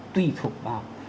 tùy thuộc vào